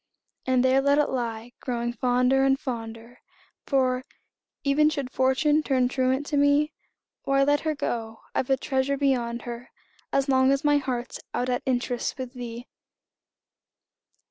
And there let it lie, growing fonder and, fonder For, even should Fortune turn truant to me, Why, let her go I've a treasure beyond her, As long as my heart's out at interest With thee!